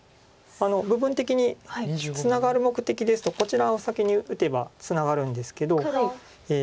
部分的にツナがる目的ですとこちらを先に打てばツナがるんですけど。